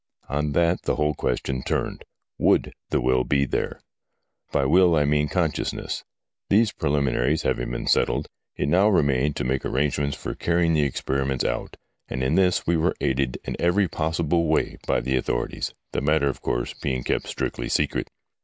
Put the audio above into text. On that the whole question turned. Would the will be there ? By will I mean consciousness. These preliminaries having been settled, it now remained to make arrangements for carrying the experiments out, and in this we were aided in every possible way by the authorities, the matter, of course, being kept strictly secret.